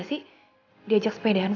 saya serba salah sekarang